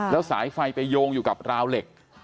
แล้วสายไฟไปโยงอยู่กับราวเหล็ก